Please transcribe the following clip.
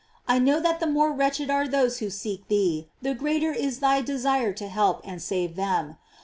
I know that the more wretch ed are those who seek thee the greater is thy desire to help and save them.